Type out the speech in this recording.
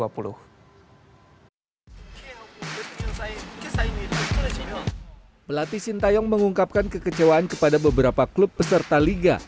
pelatih sintayong mengungkapkan kekecewaan kepada beberapa klub peserta liga